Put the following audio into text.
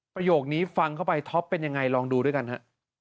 ประโยคนี้ฟังเข้าไปท็อปเป็นยังไงลองดูด้วยกันฮะ